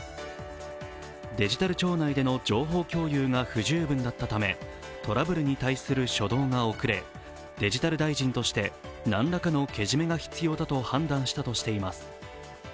デジタル庁内での情報共有が不十分だったためトラブルに対する初動が遅れデジタル大臣として何らかのけじめが必要だと判断したとしています。